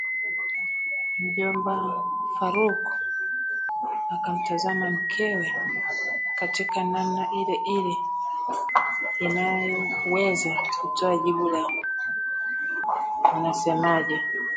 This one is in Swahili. Mjomba Farouck akamtazama mkewe katika namna ile ile inayoweza kutoa jibu la unasemaje